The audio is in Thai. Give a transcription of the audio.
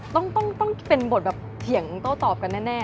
ต้องเป็นบทแบบเถียงโต้ตอบกันแน่